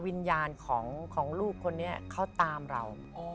วิญญาณของลูกคนนี้เขาตามเรา